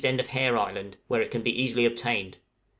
end of Hare Island, where it can be easily obtained.